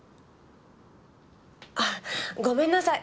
あごめんなさい。